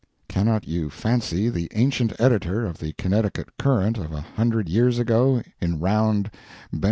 Cannot you fancy the ancient editor of the Connecticut Courant of a hundred years ago, in round Ben.